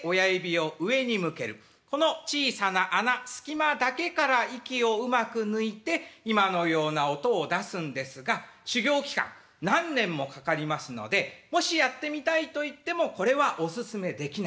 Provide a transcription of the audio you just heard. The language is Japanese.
この小さな穴隙間だけから息をうまく抜いて今のような音を出すんですが修業期間何年もかかりますのでもしやってみたいといってもこれはおすすめできないんです。